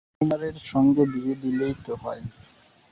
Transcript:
সুকুমারের সঙ্গে বিয়ে দিলেই তো হয়।